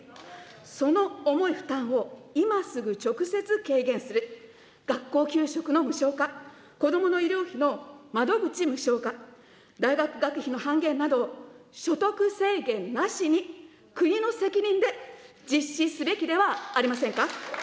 その重い負担を今すぐ直接軽減する、学校給食の無償化、子どもの医療費の窓口無償化、大学学費の半減など、所得制限なしに国の責任で実施すべきではありませんか。